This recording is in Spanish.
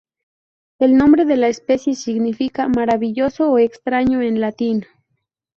El nombre de la especie significa "maravilloso" o "extraño" en latín.